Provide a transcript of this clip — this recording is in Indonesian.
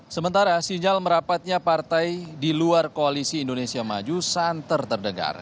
sementara sinyal merapatnya partai di luar koalisi indonesia maju santer terdengar